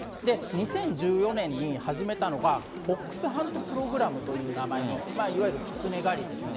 ２０１４年に始めたのが、フォックスハントプログラムという名前の、いわゆるキツネ狩りですね。